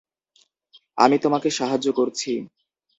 আমি তোমাকে সাহায্য করছি।